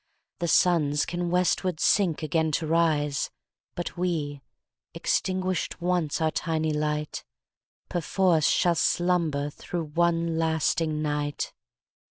The Suns can westward sink again to rise But we, extinguished once our tiny light, 5 Perforce shall slumber through one lasting night!